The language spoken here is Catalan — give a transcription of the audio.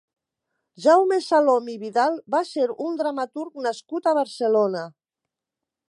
Jaume Salom i Vidal va ser un dramaturg nascut a Barcelona.